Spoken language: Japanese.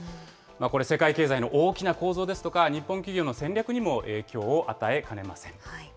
これ、世界経済の大きな構造ですとか、日本企業の戦略にも影響を与えかねません。